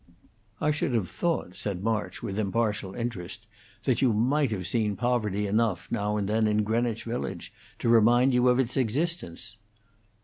"I should have thought," said March, with impartial interest, "that you might have seen poverty enough, now and then, in Greenwich Village to remind you of its existence."